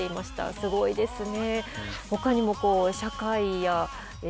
すごいですね。